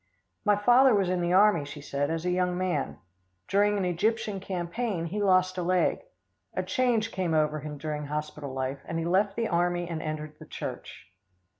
"My father was in the army," she said, "as a young man. During an Egyptian campaign, he lost a leg. A change came over him during hospital life, and he left the army and entered the church."